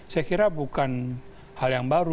saya kira bukan hal yang baru